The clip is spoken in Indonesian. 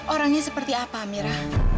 orangnya seperti apa amira